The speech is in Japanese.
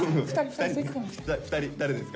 ２人誰ですか？